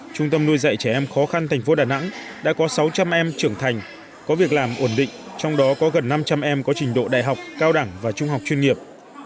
trung tâm nuôi dạy trẻ em khó khăn tp đà nẵng đã có sáu trăm linh em trưởng thành có việc làm ổn định trong đó có gần năm trăm linh em có trình độ đại học cao đẳng và trung học chuyên nghiệp